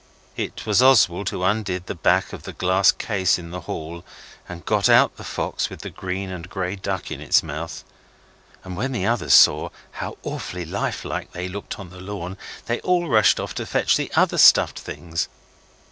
It was Oswald who undid the back of the glass case in the hall and got out the fox with the green and grey duck in its mouth, and when the others saw how awfully like life they looked on the lawn, they all rushed off to fetch the other stuffed things.